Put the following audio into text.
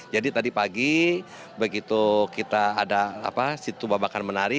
jadi tadi pagi begitu kita ada situbabakan menari